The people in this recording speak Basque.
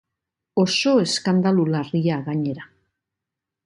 Oso eskandalu larria, gainera.